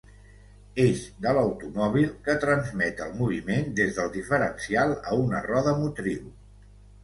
Eix de l'automòbil que transmet el moviment des del diferencial a una roda motriu.